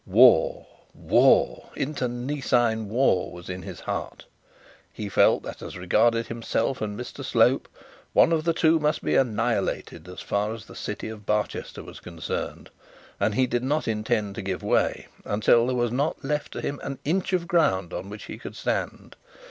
War, war, internecine war was in his heart. He felt that as regarded himself and Mr Slope, one of the two must be annihilated as far as the city of Barchester was concerned; and he did not intend to give way until there was not left to him an inch of ground on which he could stand.